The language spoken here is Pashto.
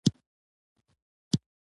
زده کوونکي دې یې په کتابچو کې ولیکي.